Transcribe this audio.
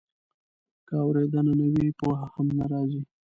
که اورېدنه نه وي، پوهه هم نه راځي.